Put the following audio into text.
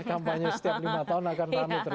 kampanye setiap lima tahun akan